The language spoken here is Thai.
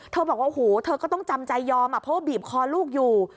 เธอบอกว่าเธอก็ต้องจำใจยอมเพราะบีบคอลูกอยู่